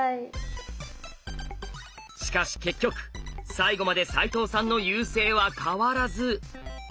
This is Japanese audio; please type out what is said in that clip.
しかし結局最後まで齋藤さんの優勢は変わらず。